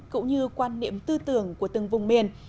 cũng như quan niệm tư tưởng của từng vùng miền